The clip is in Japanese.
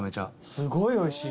すごいおいしい。